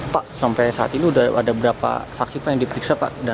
pak sampai saat ini sudah ada berapa saksi pak yang diperiksa pak